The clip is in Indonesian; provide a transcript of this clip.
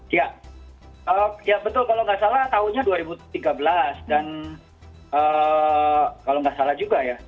ya betul kalau nggak salah tahunnya dua ribu tiga belas dan kalau nggak salah juga ya